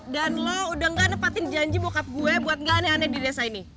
dan lo udah gak nepatin janji bokap gue buat gak aneh aneh di desa ini